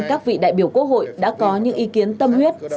các vị đại biểu quốc hội